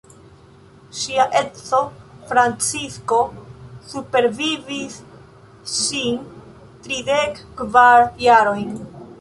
Ŝia edzo Francisko supervivis ŝin tridek kvar jarojn.